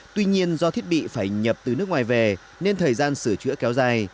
tuy nhiên do thiết bị phải nhập từ nước ngoài về nên thời gian sửa chữa kéo dài